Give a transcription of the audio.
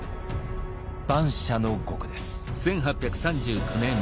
蛮社の獄です。